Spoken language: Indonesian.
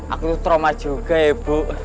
aku trauma juga ya bu